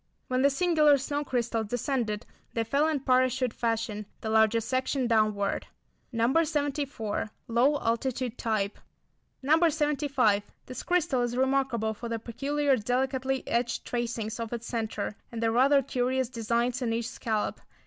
When these singular snow crystals descended they fell in parachute fashion, the larger section downward. No. 74. Low altitude type. No. 75. This crystal is remarkable for the peculiar delicately etched tracings of its centre, and the rather curious designs in each scallop.